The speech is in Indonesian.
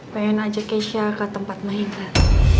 pengen ajak keisha ke tempat mainan